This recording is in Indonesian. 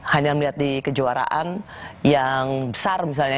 hanya melihat di kejuaraan yang besar misalnya